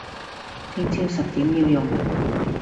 聽朝十點要用